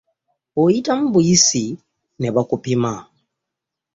Oyitamu buyisi ne bakupima.